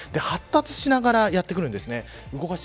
発達しながらやってくるんですね。